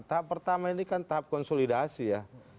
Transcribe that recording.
tahap pertama ini kan tahap konsolidasi ya